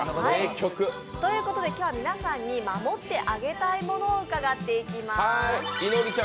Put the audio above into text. ということで今日は皆さんに守ってあげたいものを伺っていきます。